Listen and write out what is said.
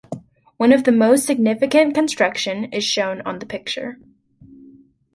One of the most significant construction is shown on the picture.